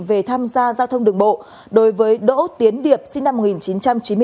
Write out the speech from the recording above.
về tham gia giao thông đường bộ đối với đỗ tiến điệp sinh năm một nghìn chín trăm chín mươi bốn